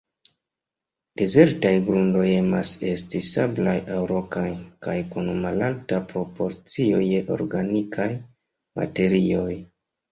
Dezertaj grundoj emas esti sablaj aŭ rokaj, kaj kun malalta proporcio je organikaj materioj.